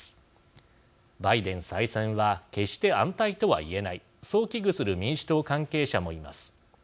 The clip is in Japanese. バイデン再選は決して安泰とは言えないそう危惧する民主党関係者もいます。